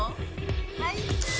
はい。